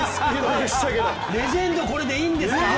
レジェンド、これでいいんですか？